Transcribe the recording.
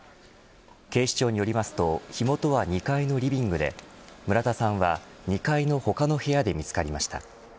警視庁によりますと火元は２階のリビングで村田さんは、２階の他の部屋で見つかりました。